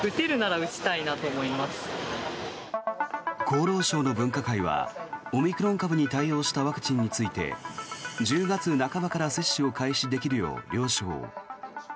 厚労省の分科会はオミクロン株に対応したワクチンについて１０月半ばから接種を開始できるよう了承。